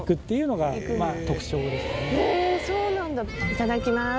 いただきます。